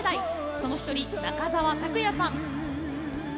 その１人、中澤卓也さん。